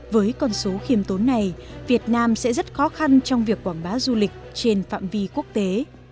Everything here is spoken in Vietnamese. với con số khiêm tốn này việt nam sẽ rất khó khăn trong việc quảng bá du lịch trên phạm vi quốc tế